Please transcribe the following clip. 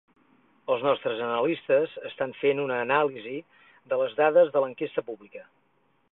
Els nostres analistes estan fent una anàlisi de les dades de l'enquesta pública.